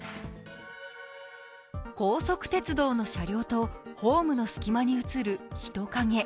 高速鉄道の車両とホームの隙間に映る人影。